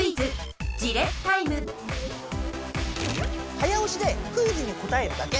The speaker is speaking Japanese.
早押しでクイズに答えるだけ。